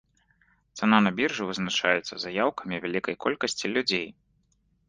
Цана на біржы вызначаецца заяўкамі вялікай колькасці людзей.